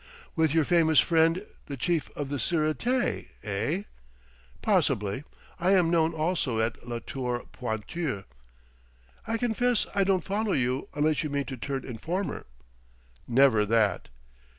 "With your famous friend, the Chief of the Sûreté, eh?" "Possibly. I am known also at La Tour Pointue." "I confess I don't follow you, unless you mean to turn informer." "Never that."